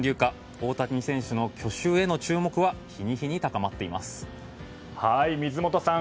大谷選手の去就への注目は水本さん